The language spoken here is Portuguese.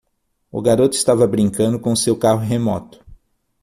O garoto estava brincando com seu carro remoto.